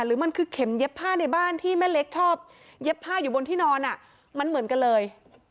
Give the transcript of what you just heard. หรือมันคือเข็มเย็บผ้าในบ้านที่แม่เล็กชอบเย็บผ้าอยู่บนที่นอนมันเหมือนกันเลย